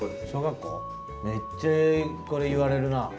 めっちゃこれ言われるな。